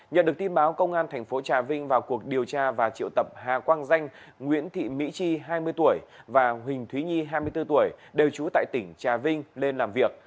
nhận được tin báo công an thành phố trà vinh vào cuộc điều tra và triệu tập hà quang danh nguyễn thị mỹ chi hai mươi tuổi và huỳnh thúy nhi hai mươi bốn tuổi đều trú tại tỉnh trà vinh lên làm việc